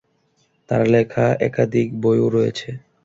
তার লেখা একাধিক বইও রয়েছে।